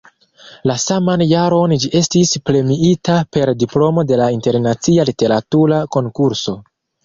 La saman jaron ĝi estis premiita per diplomo de la internacia literatura konkurso.